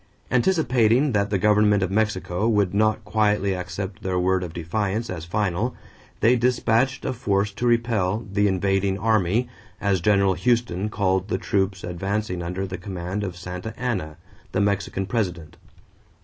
Anticipating that the government of Mexico would not quietly accept their word of defiance as final, they dispatched a force to repel "the invading army," as General Houston called the troops advancing under the command of Santa Ana, the Mexican president.